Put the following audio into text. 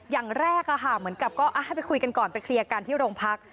อย่างแรกเหมือนกับก็ให้ไปคุยกันก่อนไปเคลียร์กันที่โรงพัก